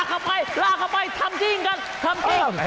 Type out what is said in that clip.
เขาในแชทเลี้ยไปแล้ว